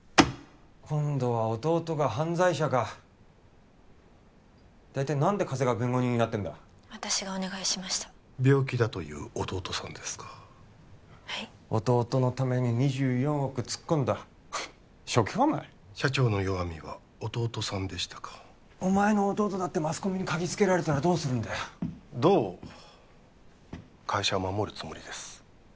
今度は弟が犯罪者か大体何で加瀬が弁護人になってんだ私がお願いしました病気だという弟さんですかはい弟のために２４億突っ込んだ正気かお前社長の弱みは弟さんでしたかお前の弟だってマスコミに嗅ぎつけられたらどうするんだよどう会社を守るつもりです？